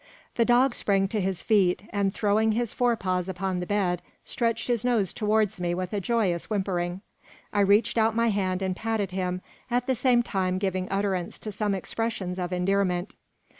The dog sprang to his feet, and throwing his fore paws upon the bed, stretched his nose towards me with a joyous whimpering. I reached out my hand and patted him, at the same time giving utterance to some expressions of endearment.